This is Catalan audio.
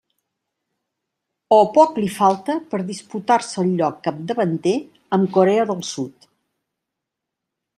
O poc li falta per disputar-se el lloc capdavanter amb Corea del Sud.